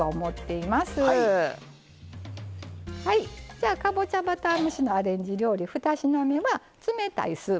じゃあかぼちゃバター蒸しのアレンジ料理２品目は冷たいスープですね。